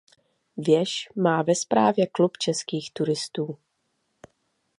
Věž má ve správě Klub českých turistů.